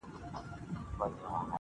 چي مي په کلیو کي بلا لنګه سي-